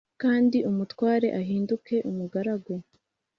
kandi umutware ahinduke umugaragu »